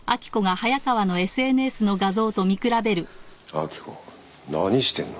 明子何してんの？